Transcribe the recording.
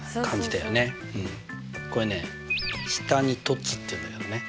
これね下に凸っていうんだけどね。